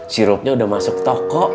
sirupnya udah masuk toko